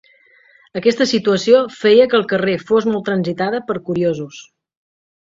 Aquesta situació feia que el carrer fos molt transitada per curiosos.